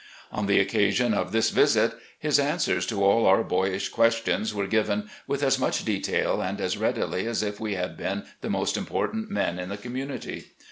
On the occasion of this visit, his answers to all o\ur boyish ques tions were given with as much detail and as readily as if we had been the most important men in the community.